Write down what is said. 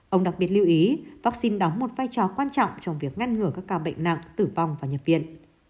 ông đặc biệt lưu ý vaccine đóng một vai trò quan trọng trong việc ngăn ngừa các ca bệnh nặng tử vong và nhập viện